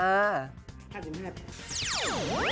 ขัดยินด้วยครับ